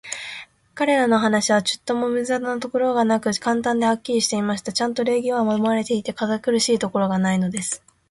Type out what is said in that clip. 彼等の話は、ちょっとも無駄なところがなく、簡単で、はっきりしていました。ちゃんと礼儀は守られていて、堅苦しいところがないのです。